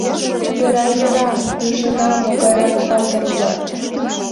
— Йӧра, йӧра... ужына, могайрак патыр улат...